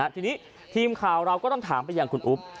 ทีนี้ทีมข่าวเราก็ต้องถามไปยังคุณอุ๊บ